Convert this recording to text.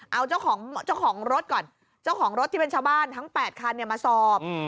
เอาเจ้าของรถก่อนเจ้าของรถที่เป็นชาวบ้านทั้ง๘คันเนี่ยมาสอบ